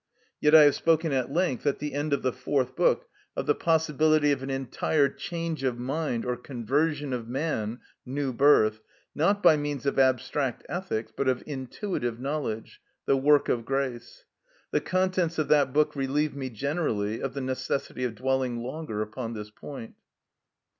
Yet I have spoken at length at the end of the fourth book of the possibility of an entire change of mind or conversion of man (new birth), not by means of abstract (ethics) but of intuitive knowledge (the work of grace). The contents of that book relieve me generally of the necessity of dwelling longer upon this point.